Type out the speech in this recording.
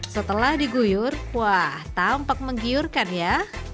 setelah diguyur wah tampak menggiurkan ya